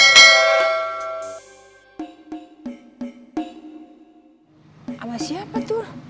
sama siapa tuh